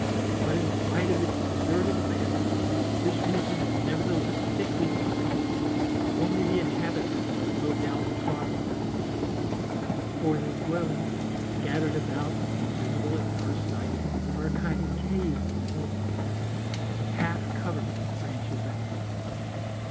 But in spite of its deserted appearance, this region is nevertheless thickly populated, only the inhabitants are no doubt troglodytes, for their dwellings, scattered about and invisible at first sight, are a kind of cave or molehill, half covered with branches and leaves.